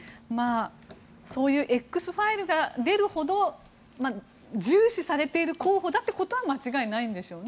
そういうＸファイルが出るほど、重視されている候補だということは間違いないんでしょうね。